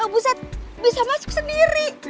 buset bisa masuk sendiri